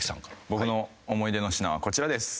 僕の思い出の品はこちらです。